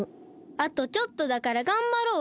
あとちょっとだからがんばろうよ！